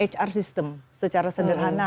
hr system secara sederhana